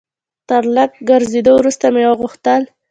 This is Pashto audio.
تر لږ ګرځېدو وروسته مې وغوښتل.